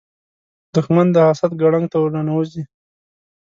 دښمن د حسد ګړنګ ته ورننوځي